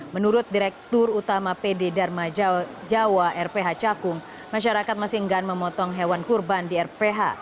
menurut direktur utama pd dharma jawa rph cakung masyarakat masih enggan memotong hewan kurban di rph